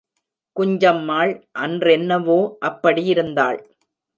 குஞ்சம்மாள் அன்றென்னவோ அப்படியிருந்தாள்.